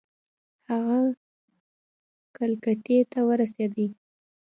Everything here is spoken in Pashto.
هغه کلکتې ته ورسېدی.